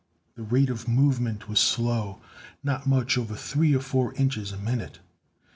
The rate of movement was slow, not much over three or four inches a minute.